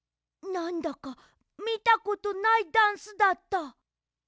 なんだかみたことないダンスだった。